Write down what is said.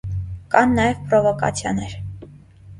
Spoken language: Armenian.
Կան նաև պրովոկացիաներ։